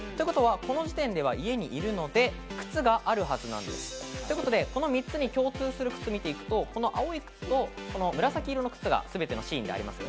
この時点では家にいるので、靴があるはずなんです。ということで、この３つに共通する靴を見ていくと、青い靴と紫色の靴が、全てのシーンであります。